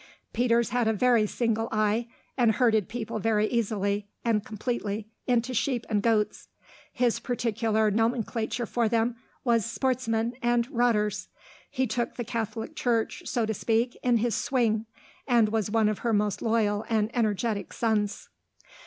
Peters had a very single eye, and herded people very easily and completely into sheep and goats; his particular nomenclature for them was "sportsmen" and "rotters." He took the Catholic Church, so to speak, in his swing, and was one of her most loyal and energetic sons.